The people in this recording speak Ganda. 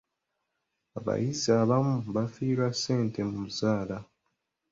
Abayizi abamu bafiirwa ssente mu zzaala?